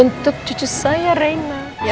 untuk cucu saya reina